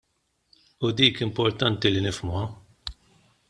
U dik importanti li nifhmuha.